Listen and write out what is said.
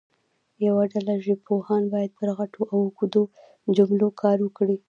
یوه ډله ژبپوهان باید پر غټو او اوږدو جملو کار وکړي.